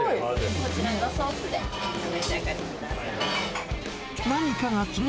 こちらのソースでお召し上がりください。